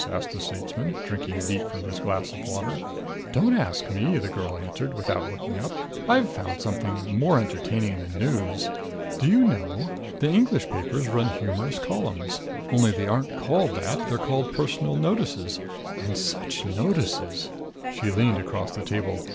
asked the statesman, drinking deep from his glass of water. "Don't ask me," the girl answered, without looking up. "I've found something more entertaining than news. Do you know the English papers run humorous columns! Only they aren't called that. They're called Personal Notices. And such notices!" She leaned across the table.